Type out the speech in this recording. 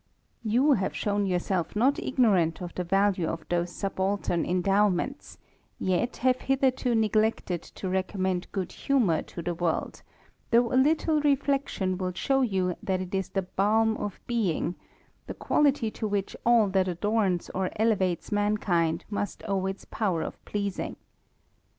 You have shown yourself not ignorant of the value of those subaltern endowments, yet have hitherto neglected to recom men d good humour t o the world,^ though a little reflection will show you i fcat it is the^g^ of peimr^i^^ ^^^^^llZ^^^^^ fl]1 that jlHnmq nr plpvatps manVinr^ pi|gfr owe its power of jgleasing.